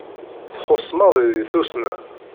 Txuṣṣ maḍi deg Tussna.